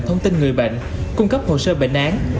thông tin người bệnh cung cấp hồ sơ bệnh án